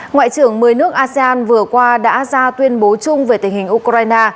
ngoại trưởng một mươi nước asean vừa qua đã ra tuyên bố chung về tình hình ukraine